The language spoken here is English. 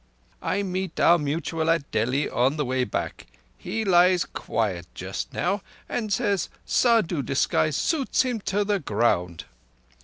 I meet our mutual at Delhi on the way back. He lies quiett just now, and says Saddhu disguise suits him to the ground.